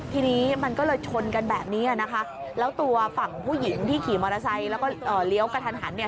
ทีนี้มันก็เลยชนกันแบบนี้นะคะแล้วตัวฝั่งผู้หญิงที่ขี่มอเตอร์ไซค์แล้วก็เลี้ยวกระทันหันเนี่ย